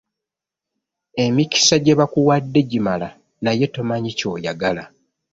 Emikisa gye bakuwadde gimala naye tomanyi ky'oyagala.